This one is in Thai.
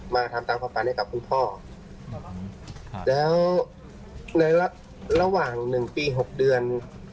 มาทำตามความฝันให้กับคุณพ่อแล้วในระหว่างหนึ่งปี๖เดือน